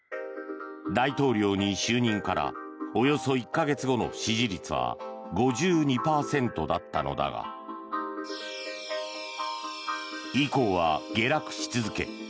大統領に就任からおよそ１か月後の支持率は５２％だったのだが以降は下落し続け